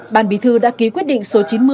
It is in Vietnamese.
ban bí thư đã ký quyết định số chín mươi